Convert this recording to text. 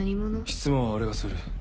質問は俺がする。